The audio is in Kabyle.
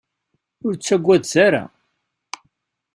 Ur ttagadet ara.